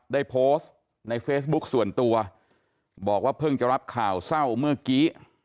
ได้โพสต์ในเฟซบุ๊คส่วนตัวบอกว่าเพิ่งจะรับข่าวเศร้าเมื่อกี้